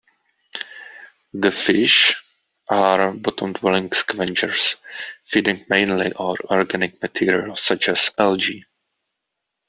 The fish are bottom-dwelling scavengers, feeding mainly on organic material such as algae.